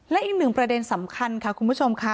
และอีกหนึ่งประเด็นสำคัญค่ะคุณผู้ชมค่ะ